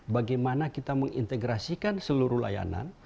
bagaimana kita mengintegrasikan seluruh layanan